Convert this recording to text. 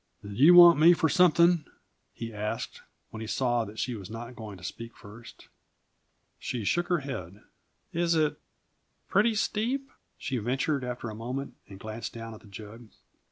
"Did you want me for something?" he asked, when he saw that she was not going to speak first. She shook her head. "Is it pretty steep?" she ventured after a moment, and glanced down at the jug.